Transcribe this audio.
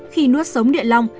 khi nuốt sống địa lòng